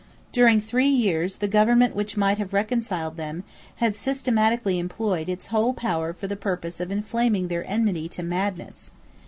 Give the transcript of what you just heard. During three years the government which might have reconciled them had systematically employed its whole power for the purpose of inflaming their enmity to madness.